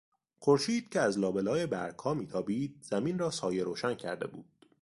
خورشید که از لابلای برگها میتابید زمین را سایهروشن کرده بود.